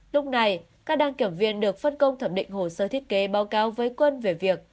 lúc này các đăng kiểm viên được phân công thẩm định hồ sơ thiết kế báo cáo với quân về việc